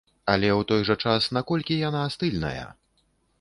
Але ў той жа час, наколькі яна стыльная?